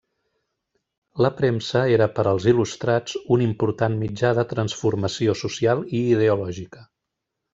La premsa era per als il·lustrats un important mitjà de transformació social i ideològica.